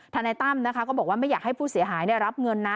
นายตั้มนะคะก็บอกว่าไม่อยากให้ผู้เสียหายรับเงินนะ